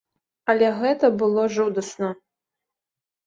Але гэта было жудасна.